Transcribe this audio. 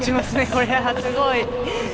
これはすごい！